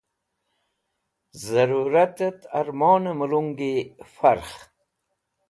Zẽrũratẽt ermone mẽlungi farkh.